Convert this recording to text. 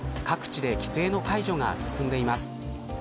各地で規制の解除が進んでいます。